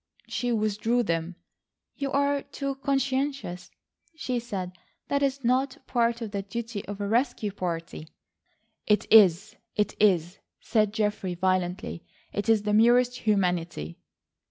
She withdrew them. "You are too conscientious," she said. "That is not part of the duty of a rescue party." "It is, it is," said Geoffrey violently. "It is the merest humanity."